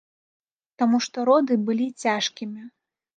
Таму што роды былі цяжкімі.